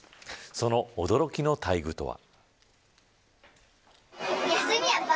その驚きの待遇とは。